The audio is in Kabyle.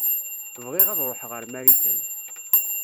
Bɣiɣ ad ṛuḥeɣ ar Marikan.